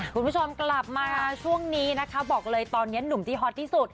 คุณผู้ชมกลับมาช่วงนี้นะคะบอกเลยตอนนี้หนุ่มที่ฮอตที่สุด